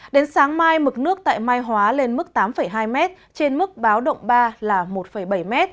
đến sáng mai mực nước tại mai hóa lên mức tám hai m trên mức báo động ba là một bảy m